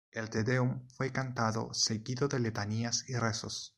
El "Te Deum" fue cantado, seguido de letanías y rezos.